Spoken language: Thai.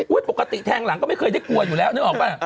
ปกติแทงหลังก็ไม่เคยได้กลัวอยู่แล้วนึกออกป่ะ